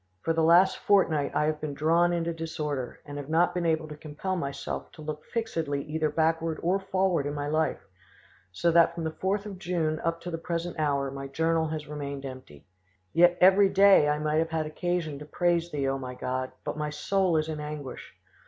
For the last fortnight I have been drawn into disorder, and have not been able to compel myself to look fixedly either backward or forward in my life, so that from the 4th of June up to the present hour my journal has remained empty. Yet every day I might have had occasion to praise Thee, O my God, but my soul is in anguish.